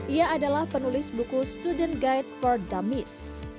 ia adalah penulis buku student guide for dumis